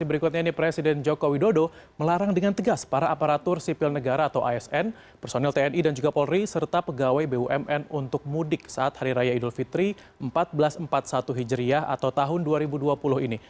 berikutnya ini presiden joko widodo melarang dengan tegas para aparatur sipil negara atau asn personil tni dan juga polri serta pegawai bumn untuk mudik saat hari raya idul fitri seribu empat ratus empat puluh satu hijriah atau tahun dua ribu dua puluh ini